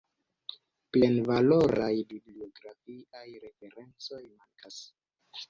Plenvaloraj bibliografiaj referencoj mankas.